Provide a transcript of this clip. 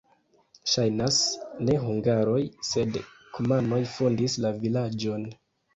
Ŝajnas, ne hungaroj, sed kumanoj fondis la vilaĝon.